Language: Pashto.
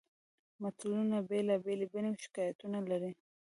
متلونه بېلابېلې بڼې او شکلونه لري